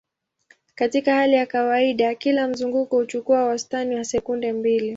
Katika hali ya kawaida, kila mzunguko huchukua wastani wa sekunde mbili.